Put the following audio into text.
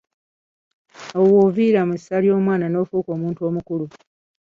Awo woviira mu ssa ery'omwana nofuuka omuntu omukulu.